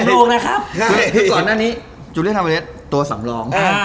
ทุกคนก่อนอาจจะเรียนตัวสำรอง